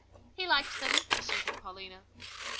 "He liked them," asserted Paulina.